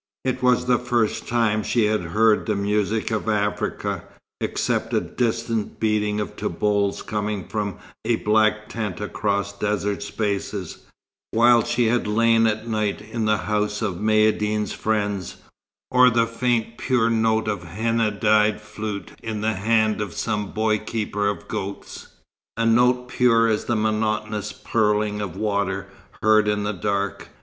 It was the first time she had heard the music of Africa, except a distant beating of tobols coming from a black tent across desert spaces, while she had lain at night in the house of Maïeddine's friends; or the faint, pure note of a henna dyed flute in the hand of some boy keeper of goats a note pure as the monotonous purling of water, heard in the dark.